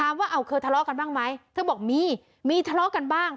มีมีมีทะเลาะกันบ้าง